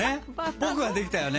ぽくはできたよね。